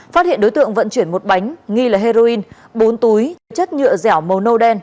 phát hiện đối tượng vận chuyển một bánh nghi là heroin bốn túi chất nhựa dẻo màu nâu đen